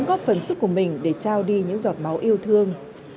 góp phần sức của mình để trao đi những giọt máu yêu thương